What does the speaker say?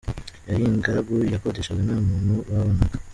Yari ingaragu, yakodeshaga nta muntu babanaga.